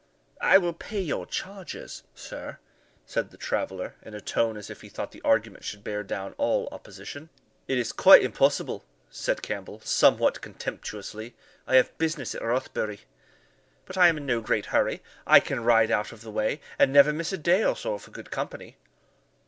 "I will pay your charges, sir," said the traveller, in a tone as if he thought the argument should bear down all opposition. "It is quite impossible," said Campbell, somewhat contemptuously; "I have business at Rothbury." "But I am in no great hurry; I can ride out of the way, and never miss a day or so for good company."